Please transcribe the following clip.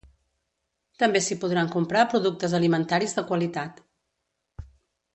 També s’hi podran comprar productes alimentaris de qualitat.